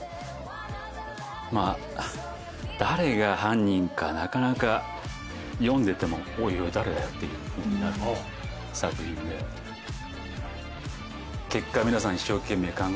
まあ誰が犯人かなかなか読んでてもおいおい誰だよっていうふうになる作品で結果。